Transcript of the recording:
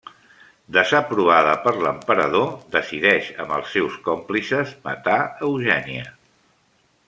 Desaprovada per l’Emperador, decideix amb els seus còmplices matar Eugènia.